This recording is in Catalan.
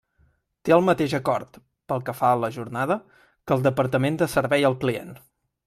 Té el mateix acord, pel que fa a la jornada, que el Departament de Servei al client.